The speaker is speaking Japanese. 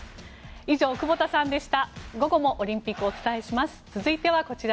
以上、久保田さんでした。